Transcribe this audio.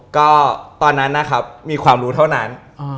ก็ตอนนั้นนะครับมีความรู้เท่านั้น